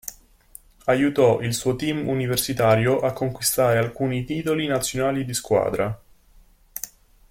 Aiutò il suo team universitario a conquistare alcuni titoli nazionali di squadra.